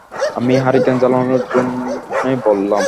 আমি হারিকেন জ্বালানোর জন্যে বললাম!